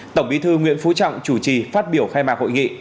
tổng bí thư nguyễn phú trọng chủ trì phát biểu khai mạc hội nghị